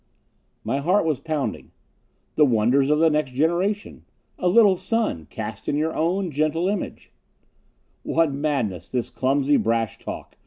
My heart was pounding. "The wonders of the next generation. A little son, cast in your own gentle image " What madness, this clumsy brash talk!